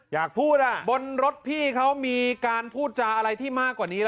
อยากพูดบนรถพี่เขามีการพูดจาอะไรที่มากกว่านี้